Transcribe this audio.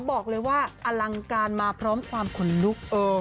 บอกเลยว่าอลังการมาพร้อมความขนลุก